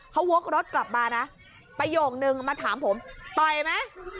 เขาโหลดรถกลับมานะไปโยกนึงมาถามผมต่อยม่ะ